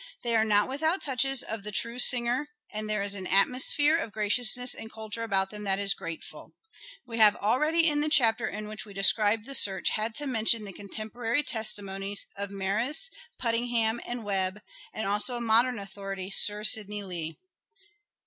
They are not without touches of the true Singer and there is an atmosphere of graciousness and culture about them that is grateful." We have already, in the chapter in which we de scribed the search, had to mention the contemporary testimonies of Meres, Puttenham, and Webbe, and also a modern authority — Sir Sidney Lee.